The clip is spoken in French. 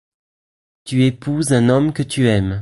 Tu épouses un homme que tu aimes.